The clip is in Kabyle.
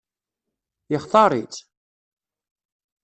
Yextaṛ-itt?